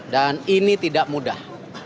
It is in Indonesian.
dan ini tidak mudah